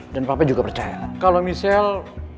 dan papa juga percaya kalau michelle